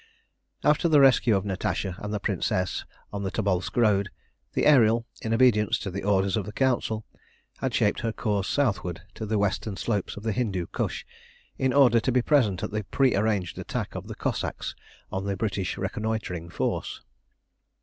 After the rescue of Natasha and the Princess on the Tobolsk road, the Ariel, in obedience to the orders of the Council, had shaped her course southward to the western slopes of the Hindu Kush, in order to be present at the prearranged attack of the Cossacks on the British reconnoitring force.